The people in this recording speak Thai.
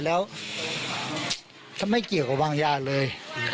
แล้วจะไม่เกี่ยวกับวางยาเลย